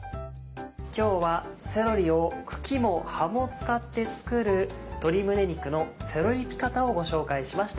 今日はセロリを茎も葉も使って作る「鶏胸肉のセロリピカタ」をご紹介しました。